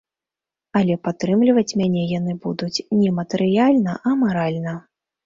Але падтрымліваць мяне яны будуць не матэрыяльна, а маральна.